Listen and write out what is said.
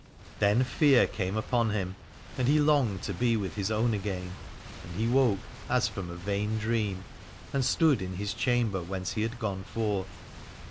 Then fear came upon him, and he longed to be with his own again ; and he woke as from a vain dream, and stood in his chamber whence he had gone forth.